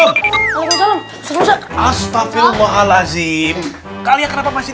assalamualaikum assalamualaikum astagfirullahaladzim kalian kenapa masih